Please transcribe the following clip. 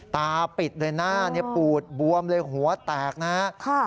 ตาปิดเลยหน้าปูดบวมเลยหัวแตกนะครับ